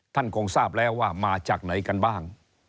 คงทราบแล้วว่ามาจากไหนกันบ้าง